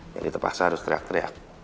jadi terpaksa harus teriak teriak